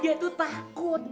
dia tuh takut